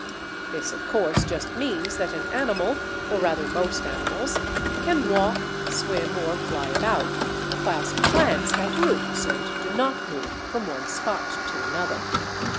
This, of course, just means that an animal, or rather most animals, can walk, swim, or fly about, whilst plants have roots and do not move from one spot to another.